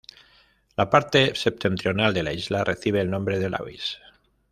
La parte septentrional de la isla recibe el nombre de Lewis.